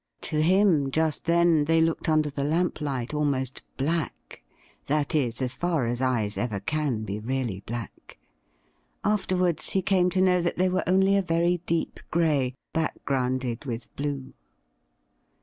To him just then they looked xmder the larap light almost black — that is, as far as eyes ever can be really black. Afterwards he came to know that they were only a very deep gray, backgrounded with blue.